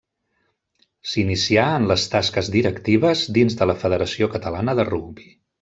S'inicià en les tasques directives dins de la Federació Catalana de Rugbi.